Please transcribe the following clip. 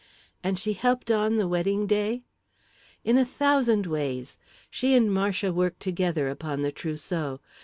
"And she helped on the wedding day?" "In a thousand ways. She and Marcia worked together upon the trousseau.